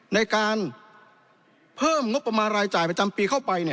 ในการเพิ่มงบประมาณรายจ่ายประจำปีเข้าไป